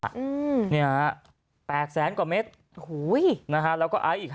สุดท้ายไม่ใช่นมมันคือยาบ้า